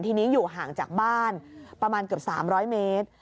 ทีนี้อยู่ห่างจากบ้านประมาณเกือบ๓๐๐เมตร